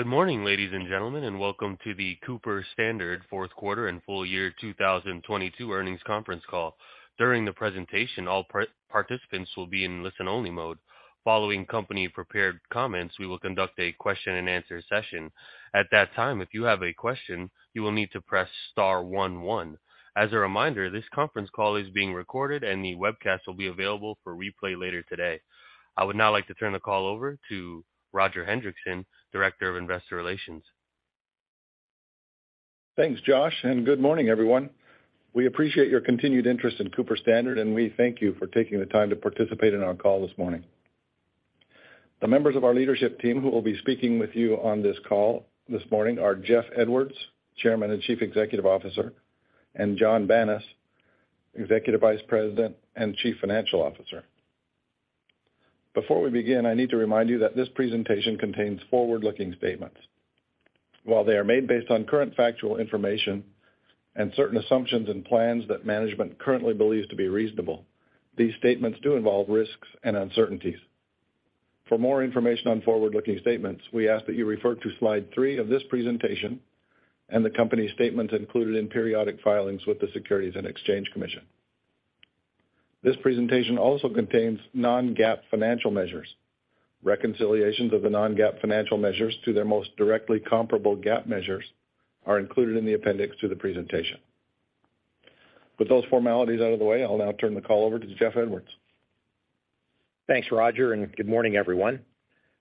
Good morning, ladies and gentlemen, and welcome to the Cooper Standard fourth quarter and full year 2022 earnings conference call. During the presentation, all participants will be in listen-only mode. Following company-prepared comments, we will conduct a question-and-answer session. At that time, if you have a question, you will need to press star one one. As a reminder, this conference call is being recorded, and the webcast will be available for replay later today. I would now like to turn the call over to Roger Hendriksen, Director of Investor Relations. Thanks, Josh, and good morning, everyone. We appreciate your continued interest in Cooper-Standard, and we thank you for taking the time to participate in our call this morning. The members of our leadership team who will be speaking with you on this call this morning are Jeff Edwards, Chairman and Chief Executive Officer, and Jon Banas, Executive Vice President and Chief Financial Officer. Before we begin, I need to remind you that this presentation contains forward-looking statements. While they are made based on current factual information and certain assumptions and plans that management currently believes to be reasonable, these statements do involve risks and uncertainties. For more information on forward-looking statements, we ask that you refer to slide three of this presentation and the company statements included in periodic filings with the Securities and Exchange Commission. This presentation also contains non-GAAP financial measures. Reconciliations of the non-GAAP financial measures to their most directly comparable GAAP measures are included in the appendix to the presentation. With those formalities out of the way, I'll now turn the call over to Jeff Edwards. Thanks, Roger, and good morning, everyone.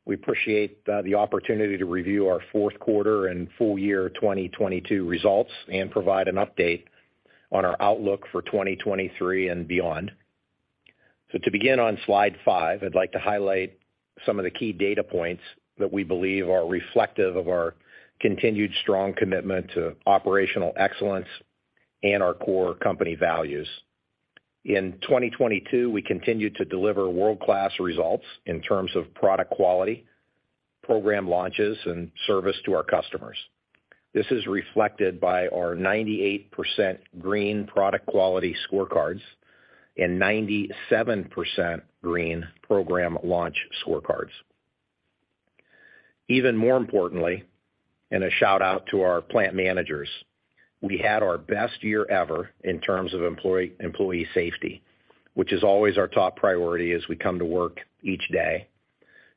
We appreciate the opportunity to review our fourth quarter and full year 2022 results and provide an update on our outlook for 2023 and beyond. To begin on slide five, I'd like to highlight some of the key data points that we believe are reflective of our continued strong commitment to operational excellence and our core company values. In 2022, we continued to deliver world-class results in terms of product quality, program launches, and service to our customers. This is reflected by our 98% green product quality scorecards and 97% green program launch scorecards. Even more importantly, and a shout-out to our plant managers, we had our best year ever in terms of employee safety, which is always our top priority as we come to work each day.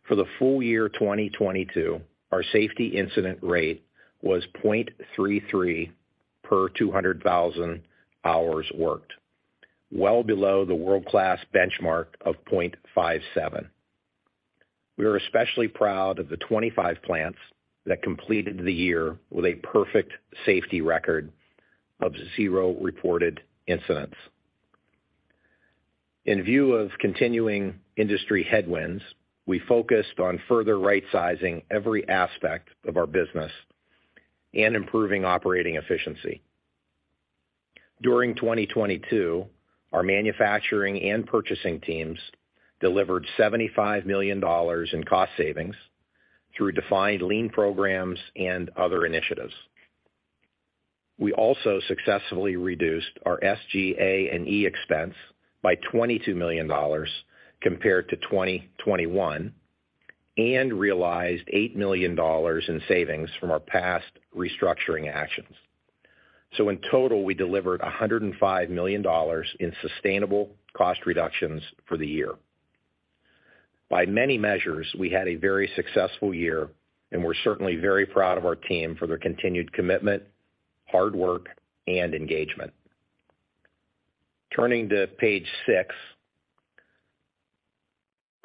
For the full year 2022, our safety incident rate was 0.33 per 200,000 hours worked, well below the world-class benchmark of 0.57. We are especially proud of the 25 plants that completed the year with a perfect safety record of zero reported incidents. In view of continuing industry headwinds, we focused on further rightsizing every aspect of our business and improving operating efficiency. During 2022, our manufacturing and purchasing teams delivered $75 million in cost savings through defined lean programs and other initiatives. We also successfully reduced our SG&A expense by $22 million compared to 2021 and realized $8 million in savings from our past restructuring actions. In total, we delivered $105 million in sustainable cost reductions for the year. By many measures, we had a very successful year, and we're certainly very proud of our team for their continued commitment, hard work, and engagement. Turning to page six.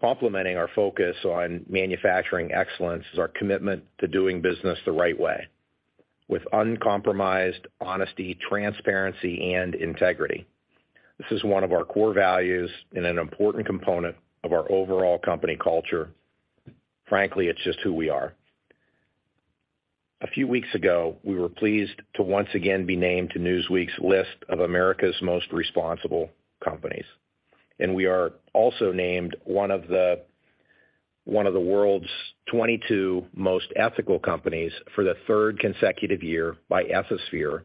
Complementing our focus on manufacturing excellence is our commitment to doing business the right way with uncompromised honesty, transparency, and integrity. This is one of our core values and an important component of our overall company culture. Frankly, it's just who we are. A few weeks ago, we were pleased to once again be named to Newsweek's list of America's Most Responsible Companies. We are also named one of the world's 22 most ethical companies for the 3rd consecutive year by Ethisphere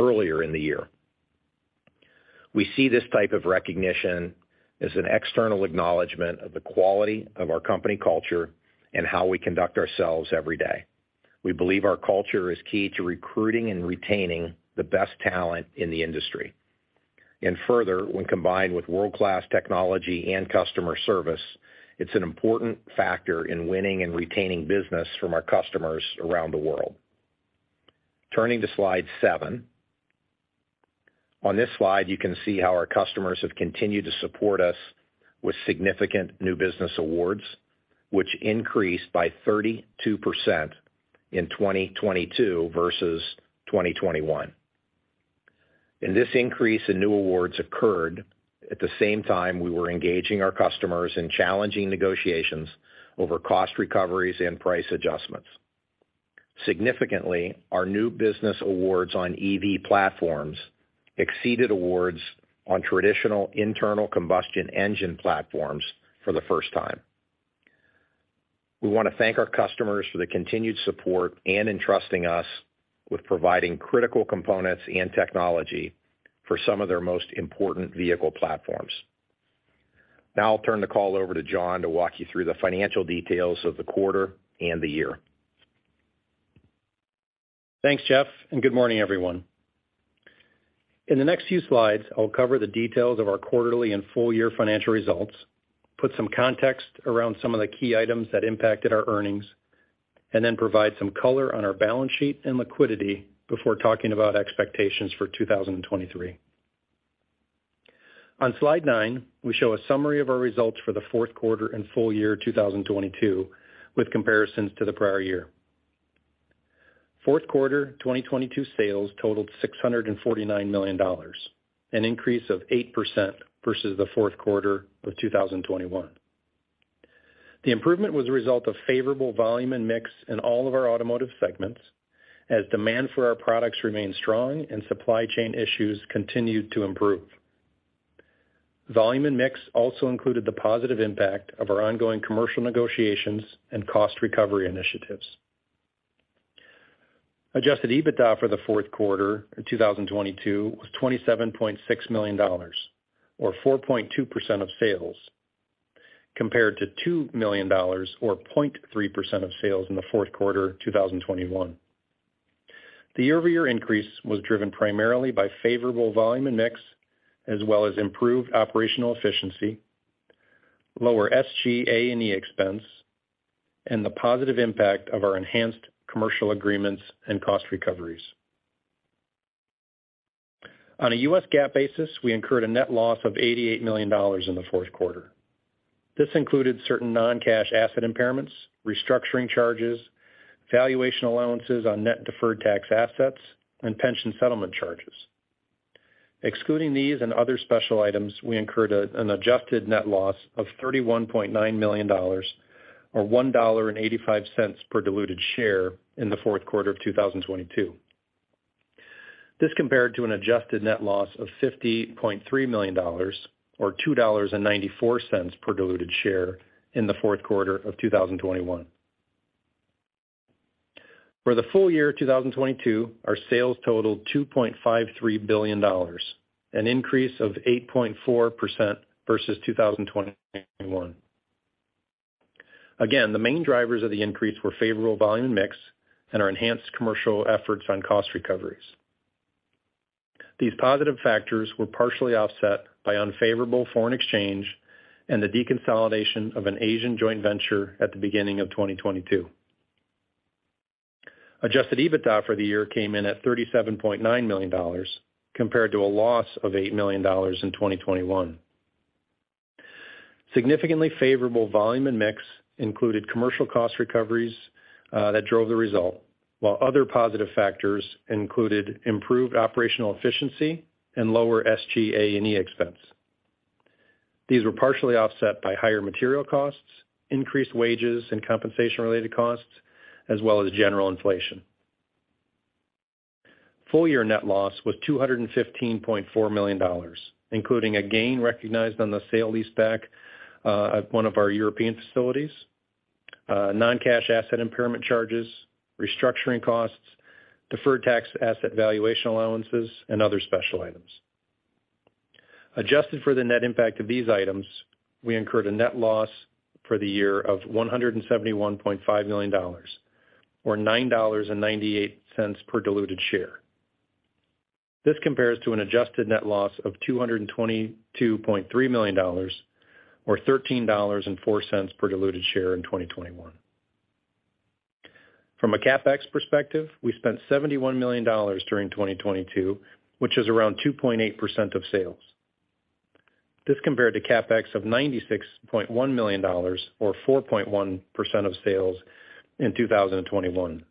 earlier in the year. We see this type of recognition as an external acknowledgment of the quality of our company culture and how we conduct ourselves every day. We believe our culture is key to recruiting and retaining the best talent in the industry. Further, when combined with world-class technology and customer service, it's an important factor in winning and retaining business from our customers around the world. Turning to slide seven. On this slide, you can see how our customers have continued to support us with significant new business awards, which increased by 32% in 2022 versus 2021. This increase in new awards occurred at the same time we were engaging our customers in challenging negotiations over cost recoveries and price adjustments. Significantly, our new business awards on EV platforms exceeded awards on traditional internal combustion engine platforms for the first time. We want to thank our customers for the continued support and entrusting us with providing critical components and technology for some of their most important vehicle platforms. I'll turn the call over to Jon to walk you through the financial details of the quarter and the year. Thanks, Jeff. Good morning, everyone. In the next few slides, I will cover the details of our quarterly and full year financial results, put some context around some of the key items that impacted our earnings, provide some color on our balance sheet and liquidity before talking about expectations for 2023. On slide nine, we show a summary of our results for the fourth quarter and full year 2022 with comparisons to the prior year. Fourth quarter 2022 sales totaled $649 million, an increase of 8% versus the fourth quarter of 2021. The improvement was a result of favorable volume and mix in all of our automotive segments as demand for our products remained strong and supply chain issues continued to improve. Volume and mix also included the positive impact of our ongoing commercial negotiations and cost recovery initiatives. Adjusted EBITDA for the fourth quarter in 2022 was $27.6 million or 4.2% of sales, compared to $2 million or 0.3% of sales in the fourth quarter of 2021. The year-over-year increase was driven primarily by favorable volume and mix, as well as improved operational efficiency, lower SG&A expense, and the positive impact of our enhanced commercial agreements and cost recoveries. On a U.S. GAAP basis, we incurred a net loss of $88 million in the fourth quarter. This included certain non-cash asset impairments, restructuring charges, valuation allowances on net deferred tax assets and pension settlement charges. Excluding these and other special items, we incurred an adjusted net loss of $31.9 million or $1.85 per diluted share in the fourth quarter of 2022. This compared to an adjusted net loss of $50.3 million or $2.94 per diluted share in the fourth quarter of 2021. For the full year 2022, our sales totaled $2.53 billion, an increase of 8.4% versus 2021. The main drivers of the increase were favorable volume mix and our enhanced commercial efforts on cost recoveries. These positive factors were partially offset by unfavorable foreign exchange and the deconsolidation of an Asian joint venture at the beginning of 2022. Adjusted EBITDA for the year came in at $37.9 million compared to a loss of $8 million in 2021. Significantly favorable volume and mix included commercial cost recoveries that drove the result, while other positive factors included improved operational efficiency and lower SG&A expense. These were partially offset by higher material costs, increased wages and compensation related costs, as well as general inflation. Full year net loss was $215.4 million, including a gain recognized on the sale leaseback at one of our European facilities, non-cash asset impairment charges, restructuring costs, deferred tax asset valuation allowances, and other special items. Adjusted for the net impact of these items, we incurred a net loss for the year of $171.5 million or $9.98 per diluted share. This compares to an adjusted net loss of $222.3 million or $13.04 per diluted share in 2021. From a CapEx perspective, we spent $71 million during 2022, which is around 2.8% of sales. This compared to CapEx of $96.1 million or 4.1% of sales in 2021.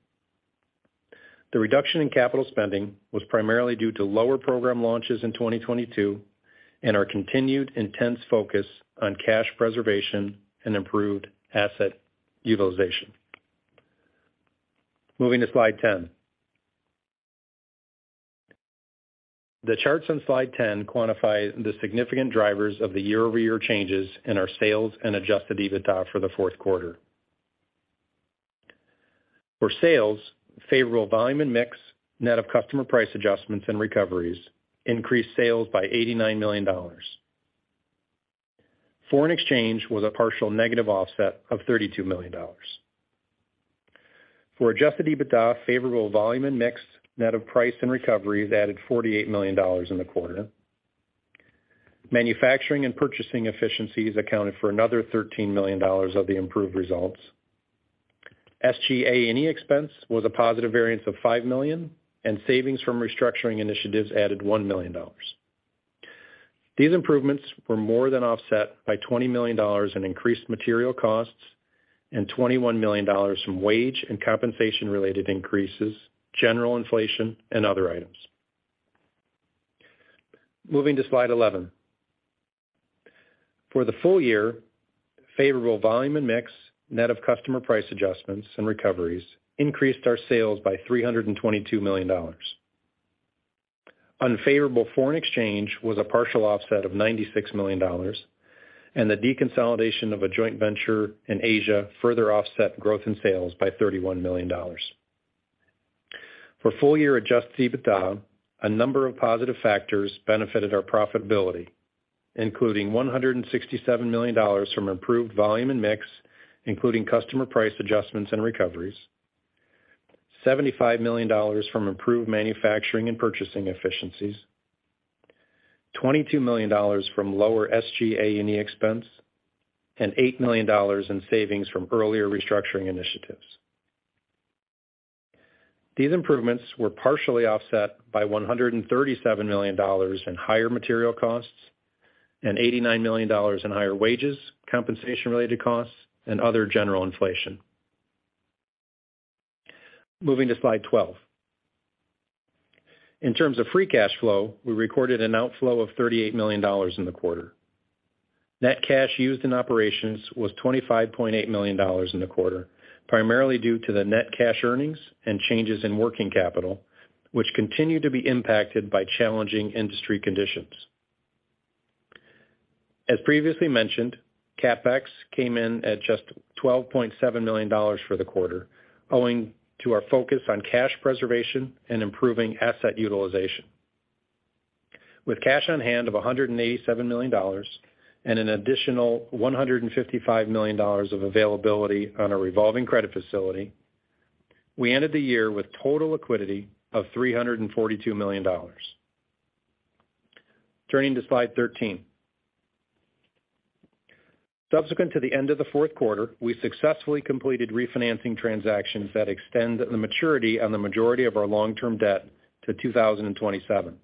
The reduction in capital spending was primarily due to lower program launches in 2022 and our continued intense focus on cash preservation and improved asset utilization. Moving to slide 10. The charts on slide 10 quantify the significant drivers of the year-over-year changes in our sales and Adjusted EBITDA for the fourth quarter. For sales, favorable volume and mix, net of customer price adjustments and recoveries increased sales by $89 million. Foreign exchange was a partial negative offset of $32 million. For Adjusted EBITDA, favorable volume and mix, net of price and recoveries added $48 million in the quarter. Manufacturing and purchasing efficiencies accounted for another $13 million of the improved results. SG&A expense was a positive variance of $5 million, and savings from restructuring initiatives added $1 million. These improvements were more than offset by $20 million in increased material costs and $21 million from wage and compensation related increases, general inflation and other items. Moving to slide 11. For the full year, favorable volume and mix, net of customer price adjustments and recoveries increased our sales by $322 million. Unfavorable foreign exchange was a partial offset of $96 million. The deconsolidation of a joint venture in Asia further offset growth in sales by $31 million. For full year Adjusted EBITDA, a number of positive factors benefited our profitability, including $167 million from improved volume and mix, including customer price adjustments and recoveries, $75 million from improved manufacturing and purchasing efficiencies, $22 million from lower SG&A expense, and $8 million in savings from earlier restructuring initiatives. These improvements were partially offset by $137 million in higher material costs and $89 million in higher wages, compensation related costs and other general inflation. Moving to slide 12. In terms of free cash flow, we recorded an outflow of $38 million in the quarter. Net cash used in operations was $25.8 million in the quarter, primarily due to the net cash earnings and changes in working capital, which continued to be impacted by challenging industry conditions. As previously mentioned, CapEx came in at just $12.7 million for the quarter, owing to our focus on cash preservation and improving asset utilization. With cash on hand of $187 million and an additional $155 million of availability on a revolving credit facility, we ended the year with total liquidity of $342 million. Turning to slide 13. Subsequent to the end of the fourth quarter, we successfully completed refinancing transactions that extend the maturity on the majority of our long-term debt to 2027.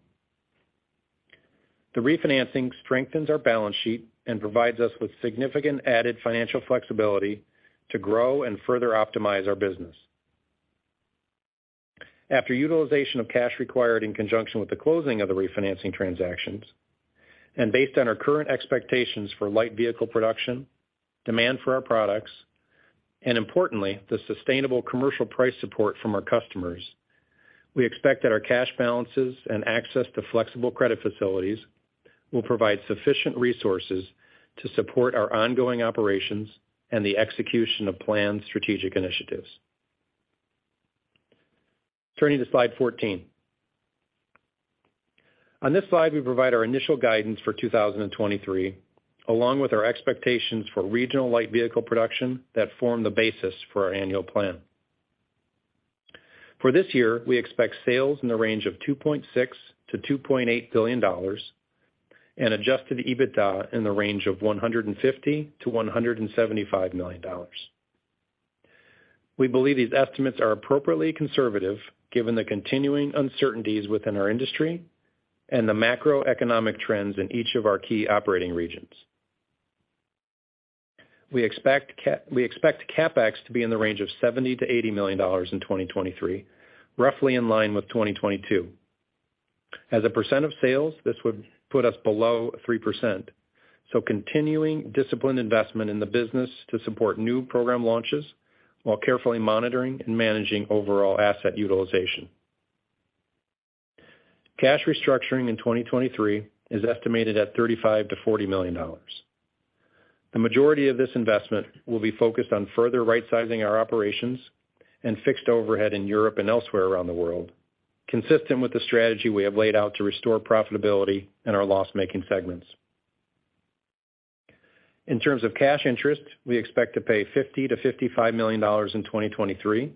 The refinancing strengthens our balance sheet and provides us with significant added financial flexibility to grow and further optimize our business. After utilization of cash required in conjunction with the closing of the refinancing transactions and based on our current expectations for light vehicle production, demand for our products, and importantly, the sustainable commercial price support from our customers, we expect that our cash balances and access to flexible credit facilities will provide sufficient resources to support our ongoing operations and the execution of planned strategic initiatives. Turning to slide 14. On this slide, we provide our initial guidance for 2023, along with our expectations for regional light vehicle production that form the basis for our annual plan. For this year, we expect sales in the range of $2.6 billion-$2.8 billion and Adjusted EBITDA in the range of $150 million-$175 million. We believe these estimates are appropriately conservative given the continuing uncertainties within our industry and the macroeconomic trends in each of our key operating regions. We expect CapEx to be in the range of $70 million-$80 million in 2023, roughly in line with 2022. As a percent of sales, this would put us below 3%. Continuing disciplined investment in the business to support new program launches while carefully monitoring and managing overall asset utilization. Cash restructuring in 2023 is estimated at $35 million-$40 million. The majority of this investment will be focused on further rightsizing our operations and fixed overhead in Europe and elsewhere around the world, consistent with the strategy we have laid out to restore profitability in our loss-making segments. In terms of cash interest, we expect to pay $50 million-$55 million in 2023,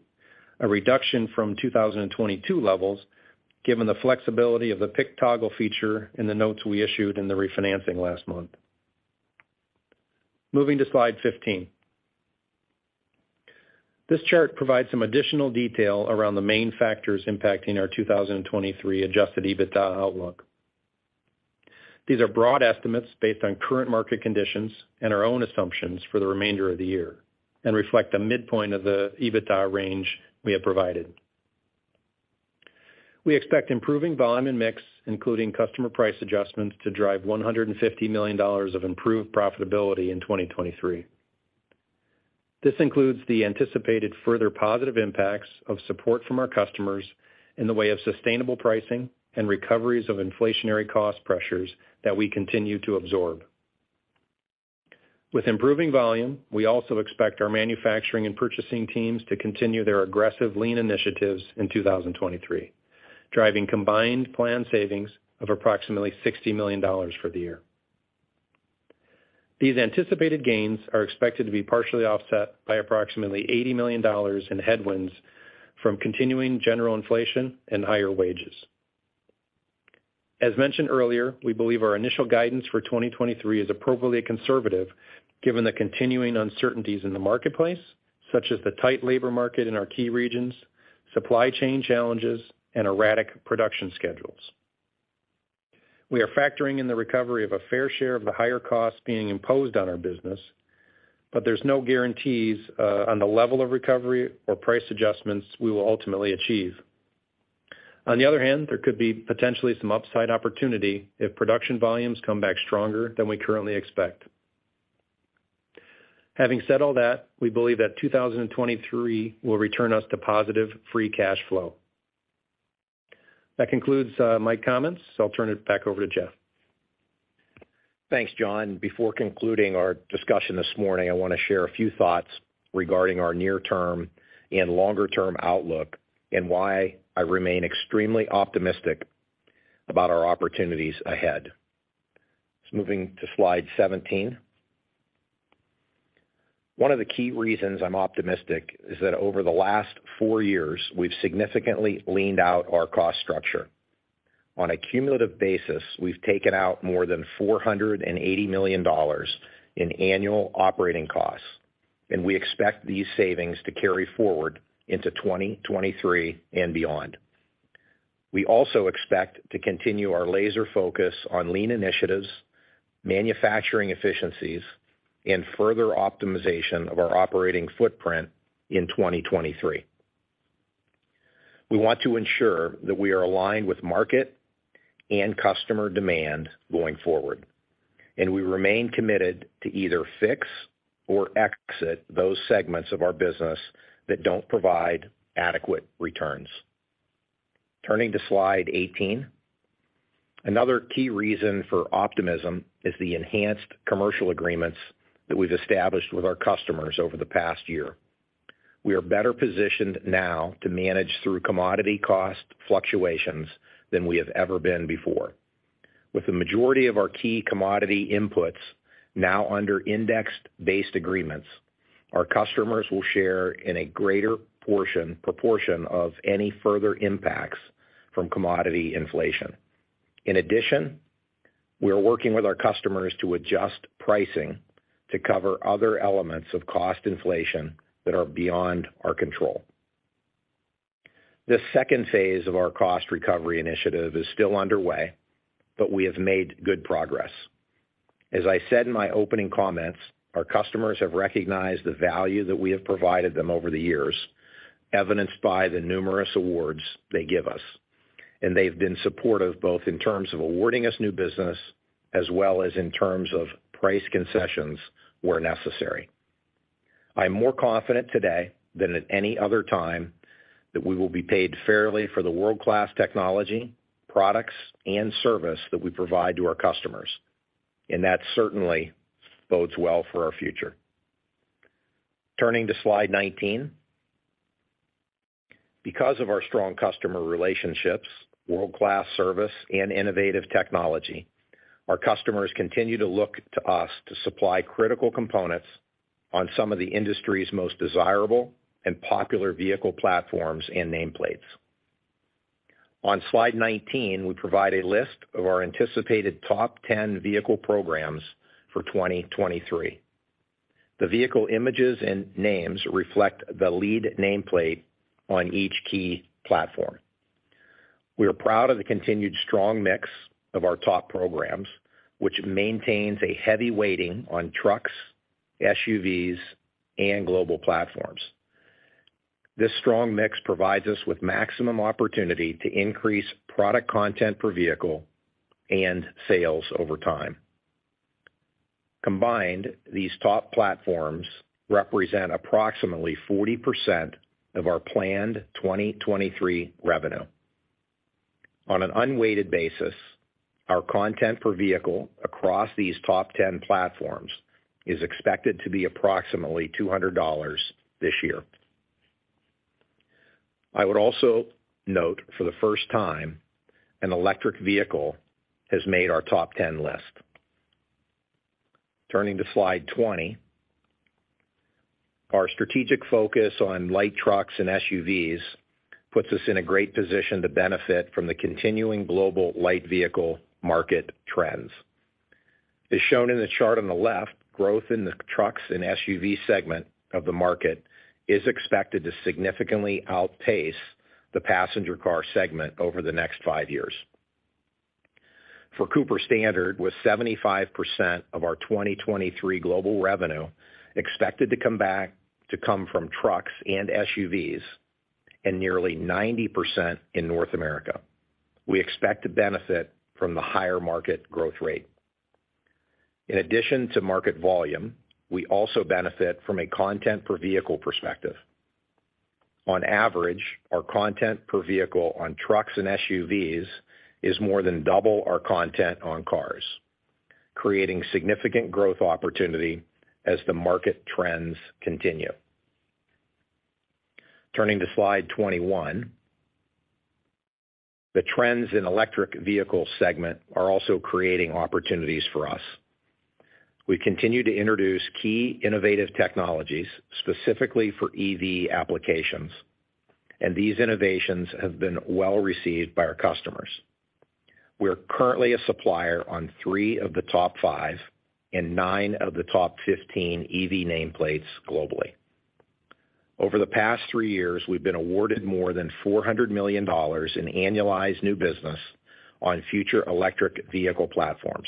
a reduction from 2022 levels, given the flexibility of the PIK toggle feature in the notes we issued in the refinancing last month. Moving to slide 15. This chart provides some additional detail around the main factors impacting our 2023 Adjusted EBITDA outlook. These are broad estimates based on current market conditions and our own assumptions for the remainder of the year and reflect a midpoint of the EBITDA range we have provided. We expect improving volume and mix, including customer price adjustments, to drive $150 million of improved profitability in 2023. This includes the anticipated further positive impacts of support from our customers in the way of sustainable pricing and recoveries of inflationary cost pressures that we continue to absorb. With improving volume, we also expect our manufacturing and purchasing teams to continue their aggressive lean initiatives in 2023, driving combined planned savings of approximately $60 million for the year. These anticipated gains are expected to be partially offset by approximately $80 million in headwinds from continuing general inflation and higher wages. As mentioned earlier, we believe our initial guidance for 2023 is appropriately conservative given the continuing uncertainties in the marketplace, such as the tight labor market in our key regions, supply chain challenges and erratic production schedules. We are factoring in the recovery of a fair share of the higher costs being imposed on our business, but there's no guarantees on the level of recovery or price adjustments we will ultimately achieve. On the other hand, there could be potentially some upside opportunity if production volumes come back stronger than we currently expect. Having said all that, we believe that 2023 will return us to positive free cash flow. That concludes my comments. I'll turn it back over to Jeff. Thanks, Jon. Before concluding our discussion this morning, I wanna share a few thoughts regarding our near term and longer-term outlook and why I remain extremely optimistic about our opportunities ahead. Moving to slide 17. One of the key reasons I'm optimistic is that over the last four years, we've significantly leaned out our cost structure. On a cumulative basis, we've taken out more than $480 million in annual operating costs, and we expect these savings to carry forward into 2023 and beyond. We also expect to continue our laser focus on lean initiatives, manufacturing efficiencies, and further optimization of our operating footprint in 2023. We want to ensure that we are aligned with market and customer demand going forward, and we remain committed to either fix or exit those segments of our business that don't provide adequate returns. Turning to slide 18, another key reason for optimism is the enhanced commercial agreements that we've established with our customers over the past year. We are better positioned now to manage through commodity cost fluctuations than we have ever been before. With the majority of our key commodity inputs now under indexed-based agreements, our customers will share in a greater proportion of any further impacts from commodity inflation. In addition, we are working with our customers to adjust pricing to cover other elements of cost inflation that are beyond our control. The second phase of our cost recovery initiative is still underway, but we have made good progress. As I said in my opening comments, our customers have recognized the value that we have provided them over the years, evidenced by the numerous awards they give us. They've been supportive both in terms of awarding us new business as well as in terms of price concessions where necessary. I'm more confident today than at any other time that we will be paid fairly for the world-class technology, products, and service that we provide to our customers. That certainly bodes well for our future. Turning to slide 19. Because of our strong customer relationships, world-class service, and innovative technology, our customers continue to look to us to supply critical components on some of the industry's most desirable and popular vehicle platforms and nameplates. On slide 19, we provide a list of our anticipated top 10 vehicle programs for 2023. The vehicle images and names reflect the lead nameplate on each key platform. We are proud of the continued strong mix of our top programs, which maintains a heavy weighting on trucks, SUVs, and global platforms. This strong mix provides us with maximum opportunity to increase product content per vehicle and sales over time. Combined, these top platforms represent approximately 40% of our planned 2023 revenue. On an unweighted basis, our content per vehicle across these top 10 platforms is expected to be approximately $200 this year. I would also note for the first time an electric vehicle has made our top 10 list. Turning to slide 20. Our strategic focus on light trucks and SUVs puts us in a great position to benefit from the continuing global light vehicle market trends. As shown in the chart on the left, growth in the trucks and SUV segment of the market is expected to significantly outpace the passenger car segment over the next five years. For Cooper-Standard, with 75% of our 2023 global revenue expected to come from trucks and SUVs and nearly 90% in North America, we expect to benefit from the higher market growth rate. In addition to market volume, we also benefit from a content per vehicle perspective. On average, our content per vehicle on trucks and SUVs is more than double our content on cars, creating significant growth opportunity as the market trends continue. Turning to slide 21. The trends in electric vehicle segment are also creating opportunities for us. We continue to introduce key innovative technologies specifically for EV applications. These innovations have been well received by our customers. We are currently a supplier on three of the top five and nine of the top 15 EV nameplates globally. Over the past three years, we've been awarded more than $400 million in annualized new business on future electric vehicle platforms.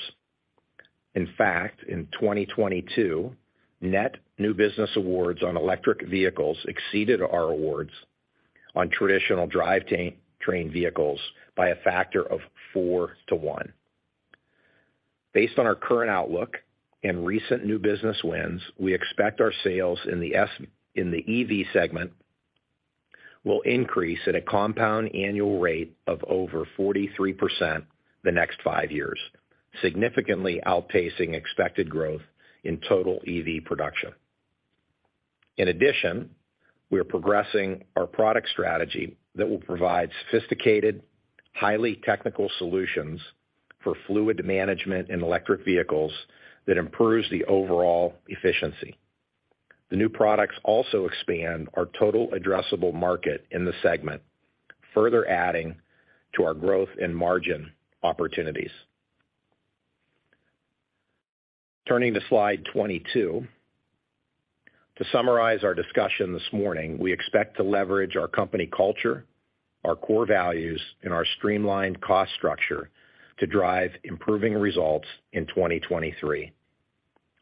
In fact, in 2022, net new business awards on electric vehicles exceeded our awards on traditional drive train vehicles by a factor of four to one. Based on our current outlook and recent new business wins, we expect our sales in the EV segment will increase at a compound annual rate of over 43% the next five years, significantly outpacing expected growth in total EV production. In addition, we are progressing our product strategy that will provide sophisticated, highly technical solutions for fluid management and electric vehicles that improves the overall efficiency. The new products also expand our total addressable market in the segment, further adding to our growth and margin opportunities. Turning to slide 22. To summarize our discussion this morning, we expect to leverage our company culture, our core values, and our streamlined cost structure to drive improving results in 2023.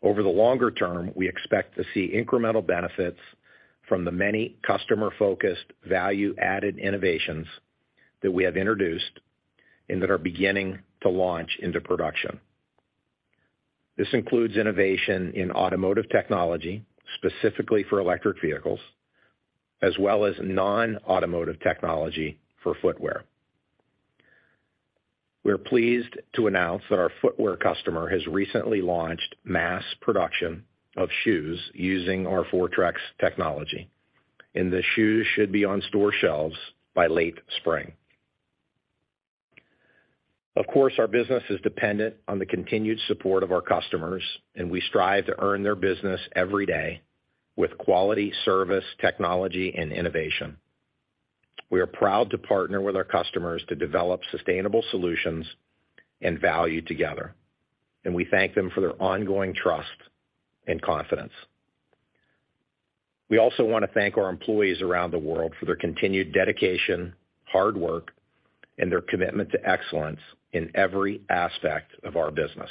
Over the longer term, we expect to see incremental benefits from the many customer-focused, value-added innovations that we have introduced and that are beginning to launch into production. This includes innovation in automotive technology, specifically for electric vehicles, as well as non-automotive technology for footwear. We are pleased to announce that our footwear customer has recently launched mass production of shoes using our Fortrex technology, and the shoes should be on store shelves by late spring. Of course, our business is dependent on the continued support of our customers, and we strive to earn their business every day with quality service, technology and innovation. We are proud to partner with our customers to develop sustainable solutions and value together, and we thank them for their ongoing trust and confidence. We also want to thank our employees around the world for their continued dedication, hard work, and their commitment to excellence in every aspect of our business.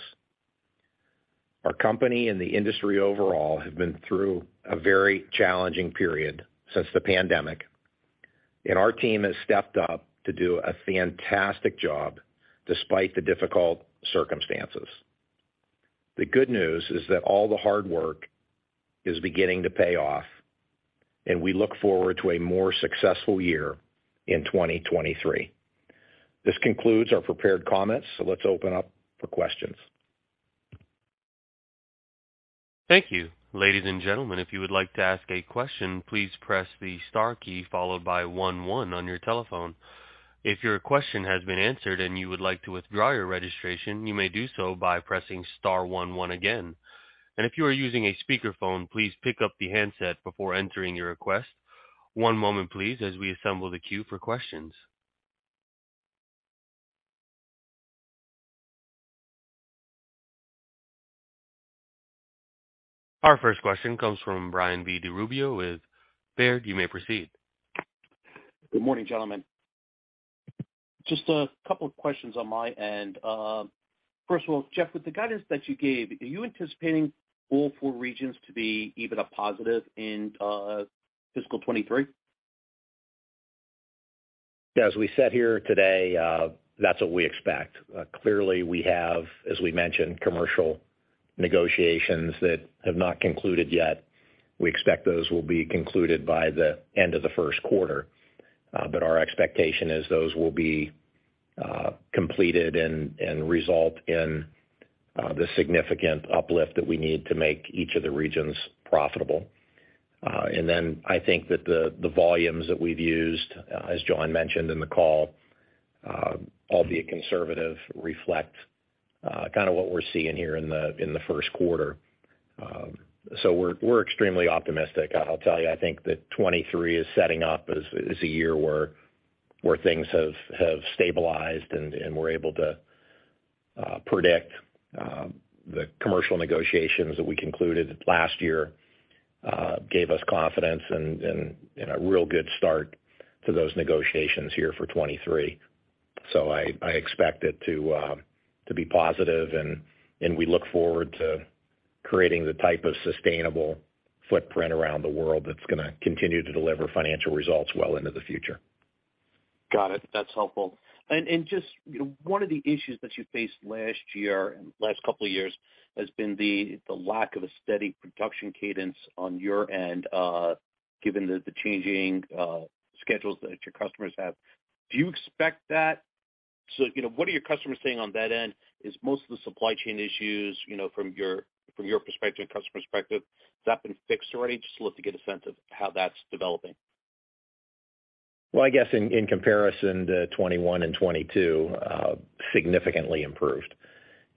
Our company and the industry overall have been through a very challenging period since the pandemic, and our team has stepped up to do a fantastic job despite the difficult circumstances. The good news is that all the hard work is beginning to pay off, and we look forward to a more successful year in 2023. This concludes our prepared comments. Let's open up for questions. Thank you. Ladies and gentlemen, if you would like to ask a question, please press the star key followed by one one on your telephone. If your question has been answered and you would like to withdraw your registration, you may do so by pressing star one one again. If you are using a speakerphone, please pick up the handset before entering your request. One moment please as we assemble the queue for questions. Our first question comes from Brian DiRubio with Baird. You may proceed. Good morning, gentlemen. Just a couple of questions on my end. first of all, Jeff, with the guidance that you gave, are you anticipating all four regions to be EBITDA positive in fiscal 2023? As we said here today, that's what we expect. Clearly, we have, as we mentioned, commercial negotiations that have not concluded yet. We expect those will be concluded by the end of the first quarter. Our expectation is those will be completed and result in the significant uplift that we need to make each of the regions profitable. I think that the volumes that we've used, as Jon mentioned in the call, albeit conservative, reflect kind of what we're seeing here in the first quarter. We're extremely optimistic. I'll tell you, I think that 2023 is setting up as a year where things have stabilized and we're able to predict. The commercial negotiations that we concluded last year gave us confidence and a real good start to those negotiations here for 2023. I expect it to be positive and we look forward to creating the type of sustainable footprint around the world that's gonna continue to deliver financial results well into the future. Got it. That's helpful. Just one of the issues that you faced last year and last couple of years has been the lack of a steady production cadence on your end, given the changing schedules that your customers have. You know, what are your customers saying on that end? Is most of the supply chain issues, you know, from your perspective and customer perspective, has that been fixed already? Just look to get a sense of how that's developing. I guess in comparison to 21 and 22, significantly improved.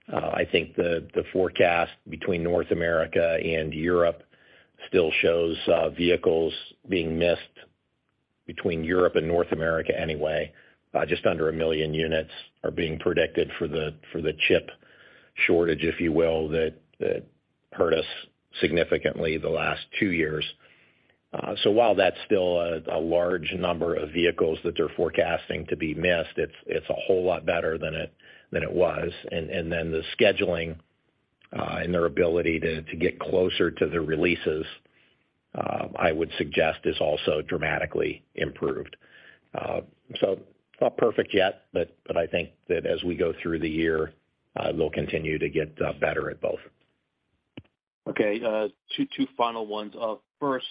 I think the forecast between North America and Europe still shows vehicles being missed between Europe and North America anyway. Just under 1 million units are being predicted for the, for the chip shortage, if you will, that hurt us significantly the last two years. While that's still a large number of vehicles that they're forecasting to be missed, it's a whole lot better than it, than it was. The scheduling and their ability to get closer to the releases, I would suggest is also dramatically improved. It's not perfect yet, but I think that as we go through the year, we'll continue to get better at both. Okay. two final ones. first,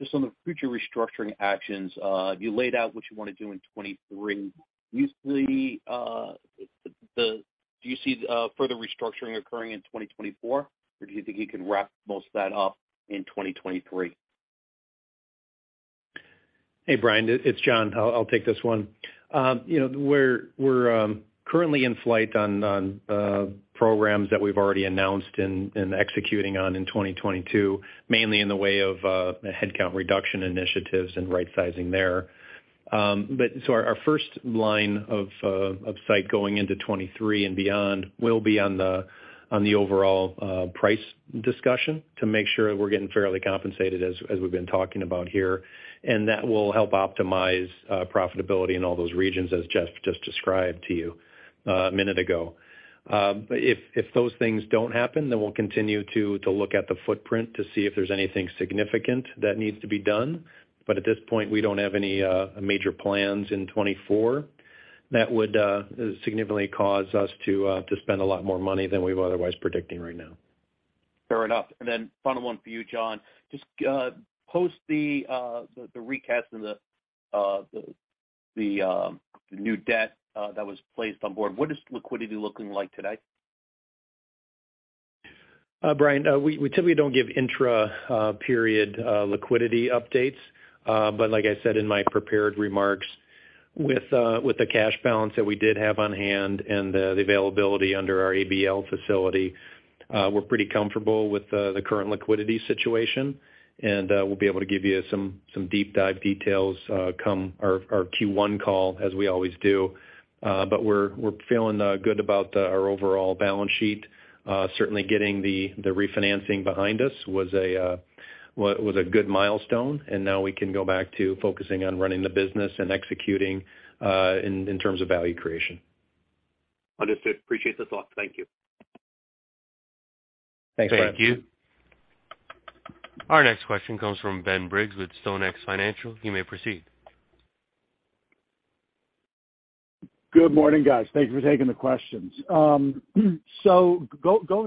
just on the future restructuring actions. you laid out what you wanna do in 2023. Do you see further restructuring occurring in 2024 or do you think you can wrap most of that up in 2023? Hey, Brian, it's Jon. I'll take this one. You know, we're currently in flight on programs that we've already announced and executing on in 2022, mainly in the way of headcount reduction initiatives and rightsizing there. So our first line of sight going into 2023 and beyond will be on the overall price discussion to make sure that we're getting fairly compensated as we've been talking about here. That will help optimize profitability in all those regions, as Jeff just described to you a minute ago. If those things don't happen, we'll continue to look at the footprint to see if there's anything significant that needs to be done. At this point, we don't have any major plans in 2024 that would significantly cause us to spend a lot more money than we're otherwise predicting right now. Fair enough. Final one for you, Jon. Just post the recast and the new debt that was placed on board, what is liquidity looking like today? Brian, we typically don't give intra period liquidity updates. Like I said in my prepared remarks, with the cash balance that we did have on hand and the availability under our ABL facility, we're pretty comfortable with the current liquidity situation, and we'll be able to give you some deep dive details come our Q1 call, as we always do. We're feeling good about our overall balance sheet. Certainly getting the refinancing behind us was a good milestone, and now we can go back to focusing on running the business and executing in terms of value creation. Understood. Appreciate the thought. Thank you. Thanks, Brian. Thank you. Our next question comes from Ben Briggs with StoneX Financial. You may proceed. Good morning, guys. Thank you for taking the questions. Go through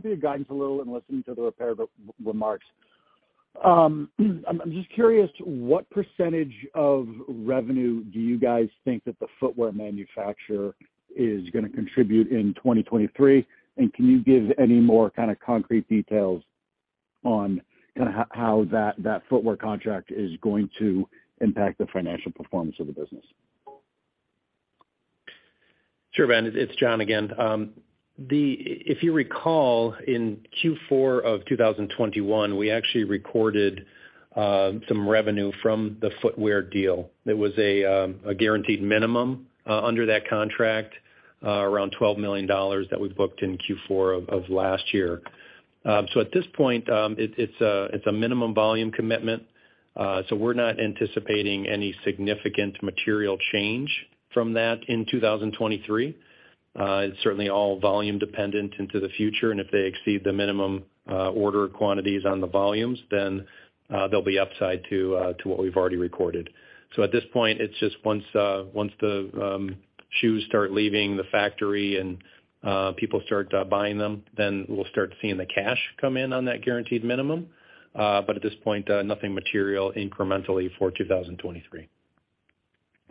your guidance a little and listening to the prepared remarks. I'm just curious, what % of revenue do you guys think that the footwear manufacturer is gonna contribute in 2023? Can you give any more kinda concrete details on kinda how that footwear contract is going to impact the financial performance of the business? Sure, Ben. It's Jon again. If you recall, in Q4 of 2021, we actually recorded some revenue from the footwear deal. It was a guaranteed minimum under that contract, around $12 million that we booked in Q4 of last year. At this point, it's a minimum volume commitment, we're not anticipating any significant material change from that in 2023. It's certainly all volume dependent into the future, if they exceed the minimum order quantities on the volumes, there'll be upside to what we've already recorded. At this point, it's just once once the shoes start leaving the factory people start buying them we'll start seeing the cash come in on that guaranteed minimum. At this point, nothing material incrementally for 2023. Okay.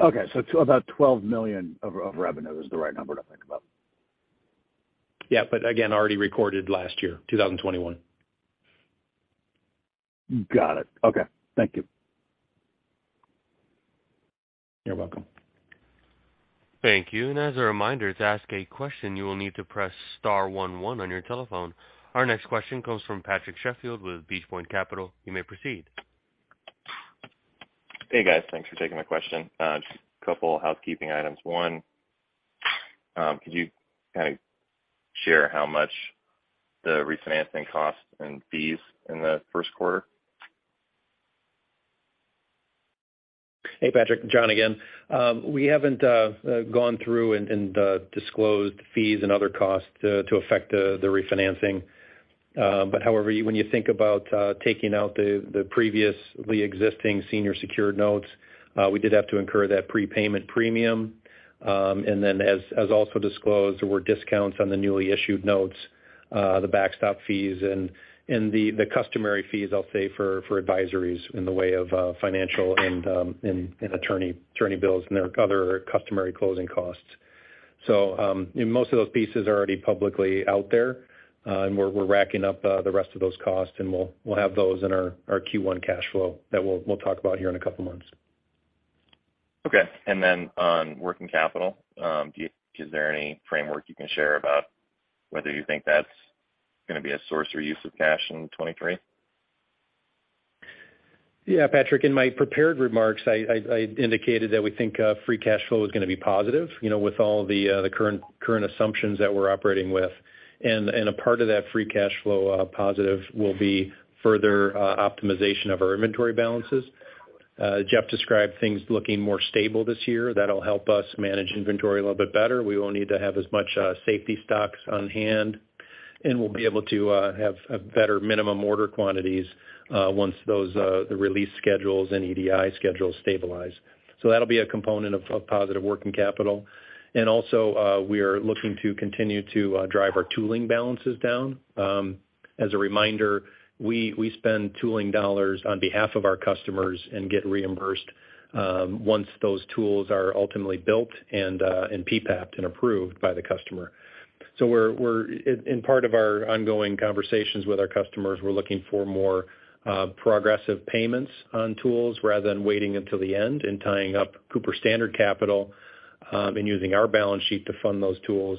It's about $12 million of revenue is the right number to think about? Yeah. Again, already recorded last year, 2021. Got it. Okay. Thank you. You're welcome. Thank you. As a reminder, to ask a question, you will need to press star one one on your telephone. Our next question comes from Patrick Sheffield with Beach Point Capital. You may proceed. Hey, guys. Thanks for taking my question. just a couple housekeeping items. One, could you kinda share how much the refinancing costs and fees in the first quarter? Hey, Patrick. Jon again. We haven't gone through and disclosed fees and other costs to affect the refinancing. However, when you think about taking out the previously existing senior secured notes, we did have to incur that prepayment premium. As also disclosed, there were discounts on the newly issued notes, the backstop fees and the customary fees, I'll say for advisories in the way of financial and attorney bills and their other customary closing costs. Most of those pieces are already publicly out there, and we're racking up the rest of those costs, and we'll have those in our Q1 cash flow that we'll talk about here in a couple months. Okay. on working capital, is there any framework you can share about whether you think that's gonna be a source or use of cash in 2023? Yeah, Patrick, in my prepared remarks, I indicated that we think free cash flow is gonna be positive, you know, with all the current assumptions that we're operating with. A part of that free cash flow positive will be further optimization of our inventory balances. Jeff described things looking more stable this year. That'll help us manage inventory a little bit better. We won't need to have as much safety stocks on hand. We'll be able to have a better minimum order quantities once those the release schedules and EDI schedules stabilize. That'll be a component of positive working capital. Also, we are looking to continue to drive our tooling balances down. As a reminder, we spend tooling dollars on behalf of our customers and get reimbursed once those tools are ultimately built and PPAP'd and approved by the customer. In part of our ongoing conversations with our customers, we're looking for more progressive payments on tools rather than waiting until the end and tying up Cooper-Standard capital and using our balance sheet to fund those tools.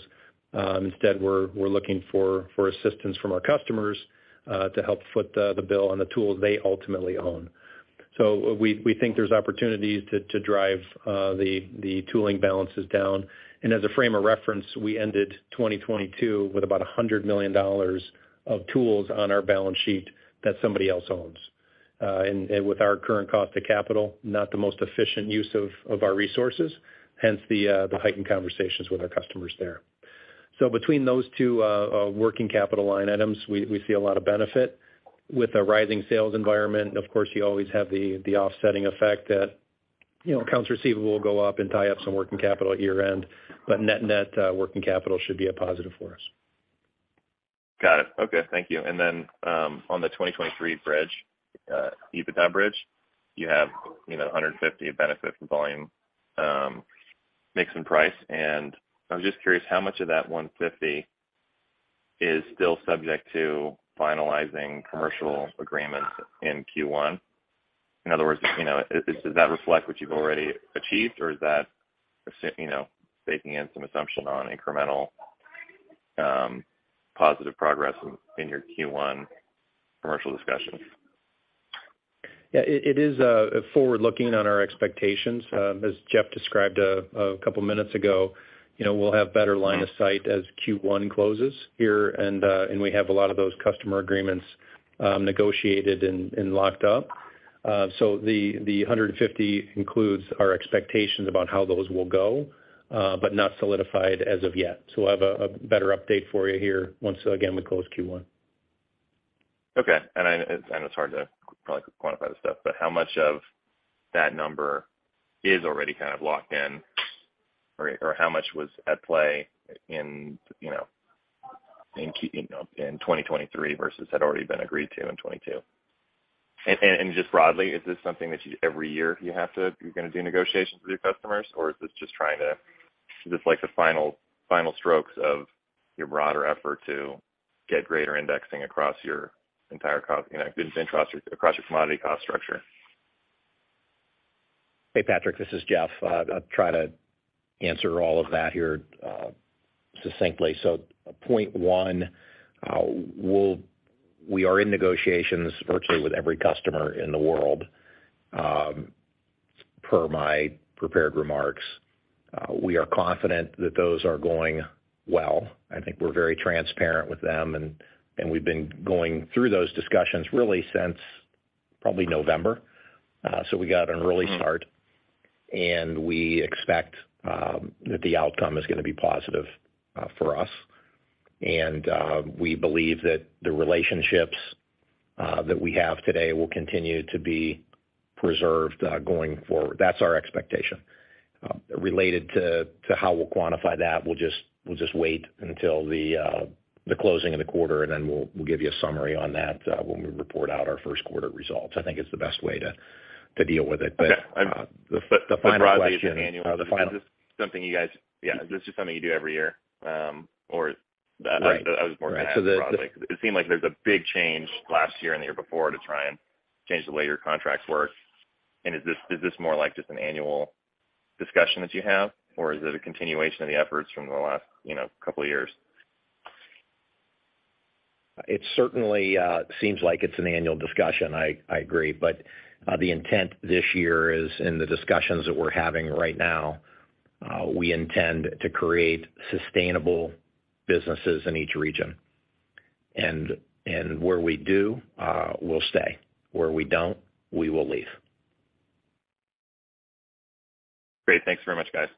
Instead, we're looking for assistance from our customers to help foot the bill on the tools they ultimately own. We think there's opportunities to drive the tooling balances down. As a frame of reference, we ended 2022 with about $100 million of tools on our balance sheet that somebody else owns. With our current cost to capital, not the most efficient use of our resources, hence the heightened conversations with our customers there. Between those two working capital line items, we see a lot of benefit. With a rising sales environment, of course, you always have the offsetting effect that, you know, accounts receivable will go up and tie up some working capital at year-end, but net-net, working capital should be a positive for us. Got it. Okay. Thank you. On the 2023 bridge, EBITDA bridge, you have, you know, a $150 benefit from volume, mix and price. I was just curious how much of that $150 is still subject to finalizing commercial agreements in Q1. In other words, you know, is that reflect what you've already achieved, or is that, you know, baking in some assumption on incremental, positive progress in your Q1 commercial discussions? It is forward looking on our expectations. As Jeff described a couple of minutes ago, you know, we'll have better line of sight as Q1 closes here, and we have a lot of those customer agreements negotiated and locked up. The $150 includes our expectations about how those will go, but not solidified as of yet. We'll have a better update for you here once, again, we close Q1. Okay. I know it's hard to probably quantify this stuff, but how much of that number is already kind of locked in, or how much was at play in, you know, in 2023 versus had already been agreed to in 2022? Just broadly, is this something that you every year you're gonna do negotiations with your customers, or is this like the final strokes of your broader effort to get greater indexing across your entire cost, you know, across your commodity cost structure? Hey, Patrick, this is Jeff. I'll try to answer all of that here succinctly. Point one, we are in negotiations virtually with every customer in the world, per my prepared remarks. We are confident that those are going well. I think we're very transparent with them and we've been going through those discussions really since probably November. We got an early start. We expect that the outcome is gonna be positive for us. We believe that the relationships that we have today will continue to be preserved going forward. That's our expectation. Related to how we'll quantify that, we'll just wait until the closing of the quarter, then we'll give you a summary on that when we report out our first quarter results. I think it's the best way to deal with it. Okay. The final question. Broadly, is this annual? Is this something yeah, is this just something you do every year? Or I was more gonna ask broadly. It seemed like there's a big change last year and the year before to try and change the way your contracts work. Is this more like just an annual discussion that you have, or is it a continuation of the efforts from the last, you know, couple of years? It certainly seems like it's an annual discussion, I agree. The intent this year is in the discussions that we're having right now, we intend to create sustainable businesses in each region. Where we do, we'll stay. Where we don't, we will leave. Great. Thanks very much, guys.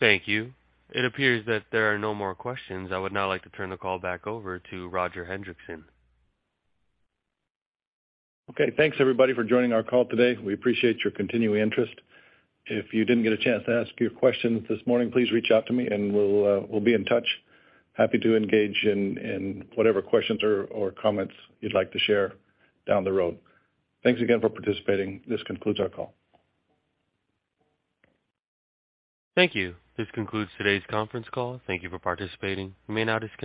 Thank you. It appears that there are no more questions. I would now like to turn the call back over to Roger Hendriksen. Okay. Thanks, everybody, for joining our call today. We appreciate your continuing interest. If you didn't get a chance to ask your questions this morning, please reach out to me and we'll be in touch. Happy to engage in whatever questions or comments you'd like to share down the road. Thanks again for participating. This concludes our call. Thank you. This concludes today's conference call. Thank you for participating. You may now disconnect.